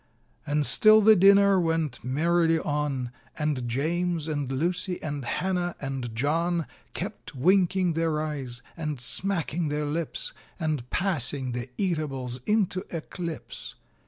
And still the dinner went merrily on, And James and Lucy and Hannah and John Kept winking their eyes and smacking their lips, And passing the eatables into eclipse.